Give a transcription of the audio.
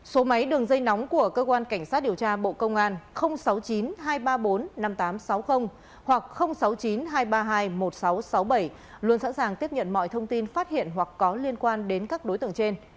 số máy đường dây nóng của cơ quan cảnh sát điều tra bộ công an sáu mươi chín hai trăm ba mươi bốn năm nghìn tám trăm sáu mươi hoặc sáu mươi chín hai trăm ba mươi hai một nghìn sáu trăm sáu mươi bảy luôn sẵn sàng tiếp nhận mọi thông tin phát hiện hoặc có liên quan đến các đối tượng trên